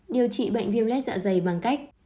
điều trị bệnh viêm lết dạ dày bằng cách